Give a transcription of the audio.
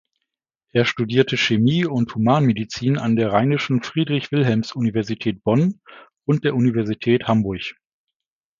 Er studierte Chemie und Humanmedizin an der Rheinischen Friedrich-Wilhelms-Universität Bonn und der Universität Hamburg.